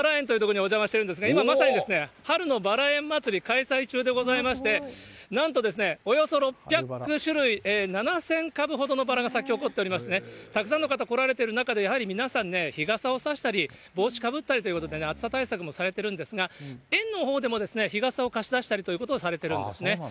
ばら園は敷島公園門倉テクノばら園という所にお邪魔しているんですが、今まさにですね、春のばら園まつり開催中でございまして、なんとですね、およそ６００種類７０００株ほどのばらが咲きほこっておりまして、たくさんの方、来られている中で、やはり皆さんね、日傘を差したり、帽子かぶったりということで、暑さ対策もされているんですが、園のほうでも日傘を貸し出したりということをされているんですね。